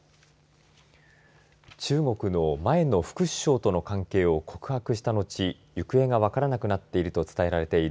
中国の前の副首相との関係を告白した後行方が分からなくなっていると伝えられている。